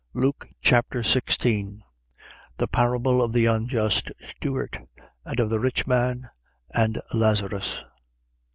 Luke Chapter 16 The parable of the unjust steward and of the rich man and Lazarus.